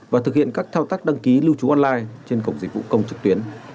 và thực hiện các thao tác đăng ký lưu trú online trên cổng dịch vụ công trực tuyến